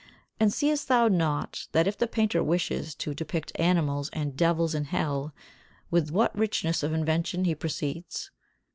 And seest thou not that if the painter wishes to depict animals and devils in Hell with what richness of invention he proceeds?